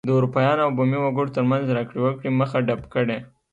د اروپایانو او بومي وګړو ترمنځ راکړې ورکړې مخه ډپ کړي.